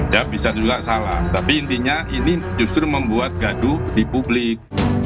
tidak bisa juga salah tapi intinya ini justru membuat gaduh di publik